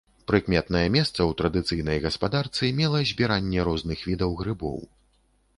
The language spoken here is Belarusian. Прыкметнае месца ў традыцыйнай гаспадарцы мела збіранне розных відаў грыбоў.